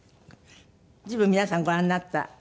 随分皆さんご覧になった。